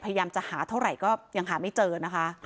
พยายามจะหาเท่าไหร่ก็ยังหาไม่เจอนะคะ